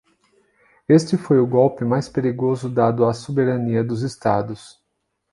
Este foi o golpe mais perigoso dado à soberania dos estados.